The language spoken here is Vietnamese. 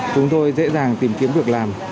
chúng tôi dễ dàng tìm kiếm việc làm